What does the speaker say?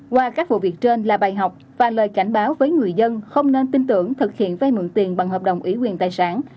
qua các vụ việc trên là bài học và lời cảnh báo với người dân không nên tin tưởng thực hiện vay mượn tiền bằng hợp đồng ủy quyền tài sản